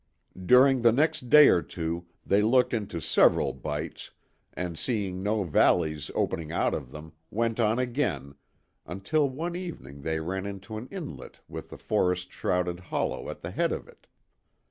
During the next day or two, they looked into several bights, and seeing no valleys opening out of them, went on again, until one evening they ran into an inlet with a forest shrouded hollow at the head of it.